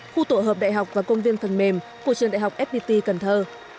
khu tổ hợp đại học và công viên phần mềm của trường đại học fpt cần thơ